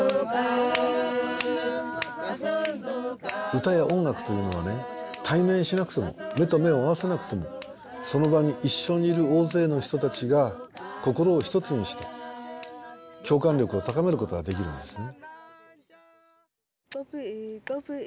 歌や音楽というのは対面しなくても目と目を合わせなくてもその場に一緒にいる大勢の人たちが心を一つにして共感力を高めることができるんですね。